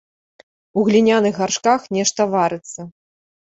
У гліняных гаршках нешта варыцца.